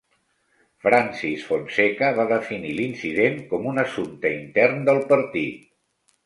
Francis Fonseca va definir l'incident com un assumpte intern del partit.